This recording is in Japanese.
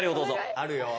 あるよ。